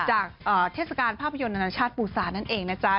เทศกาลภาพยนตร์นานาชาติปูซานั่นเองนะจ๊ะ